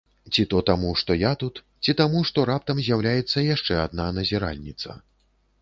Ці то таму, што я тут, ці таму, што раптам з'яўляецца яшчэ адна назіральніца.